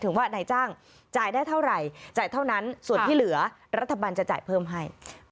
ว่านายจ้างจ่ายได้เท่าไหร่จ่ายเท่านั้นส่วนที่เหลือรัฐบาลจะจ่ายเพิ่มให้